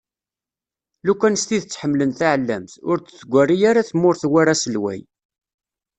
Lukan s tidet ḥemmlen taɛellamt, ur d-tgerri ara tmurt war aselway.